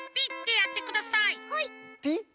「ピッ」？